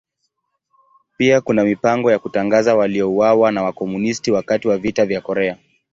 Pia kuna mipango ya kutangaza waliouawa na Wakomunisti wakati wa Vita vya Korea.